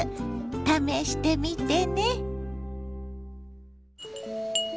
試してみてね。